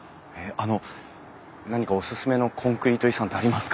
あの何かおすすめのコンクリート遺産ってありますか？